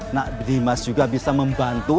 nak dimas juga bisa membantu